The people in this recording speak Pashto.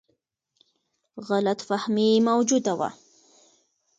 غلط فهمي موجوده وه.